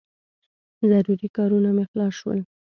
ضروري کارونه مې خلاص شول.